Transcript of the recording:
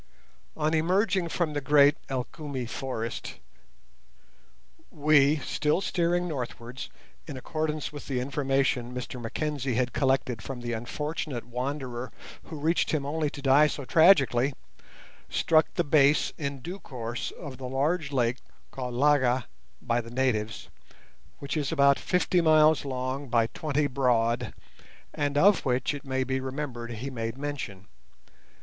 On emerging from the great Elgumi forest, we, still steering northwards, in accordance with the information Mr Mackenzie had collected from the unfortunate wanderer who reached him only to die so tragically, struck the base in due course of the large lake, called Laga by the natives, which is about fifty miles long by twenty broad, and of which, it may be remembered, he made mention.